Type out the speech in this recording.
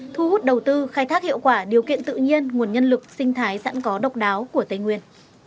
thu hút đầu tư khai thác hiệu quả điều kiện tự nhiên nguồn nhân lực sinh thái sẵn có độc đáo của tây nguyên